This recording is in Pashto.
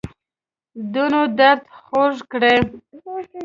دونو درد خوږ کړی